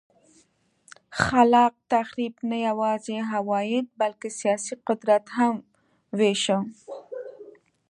خلاق تخریب نه یوازې عواید بلکه سیاسي قدرت هم وېشه.